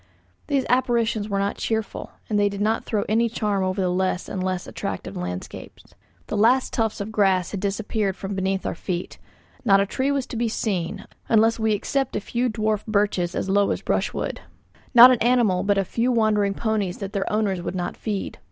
These apparitions were not cheerful, and did not throw any charm over the less and less attractive landscapes. The last tufts of grass had disappeared from beneath our feet. Not a tree was to be seen, unless we except a few dwarf birches as low as brushwood. Not an animal but a few wandering ponies that their owners would not feed.